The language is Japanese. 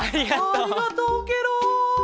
ありがとうケロ！